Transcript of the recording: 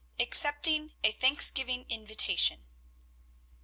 ACCEPTING A THANKSGIVING INVITATION.